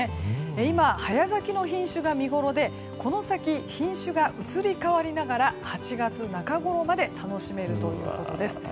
今、早咲きの品種が見ごろでこの先、品種が移り変わりながら８月中頃まで楽しめるということです。